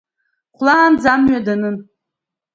Хәлаанӡа амҩа данын.